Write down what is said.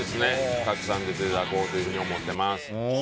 たくさん出ていただこうと思ってます。